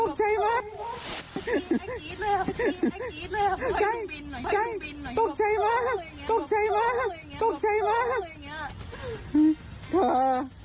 แกตกใจมาก